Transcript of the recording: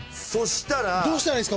どうしたらいいですか！？